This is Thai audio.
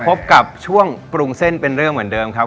พบกับช่วงปรุงเส้นเป็นเรื่องเหมือนเดิมครับ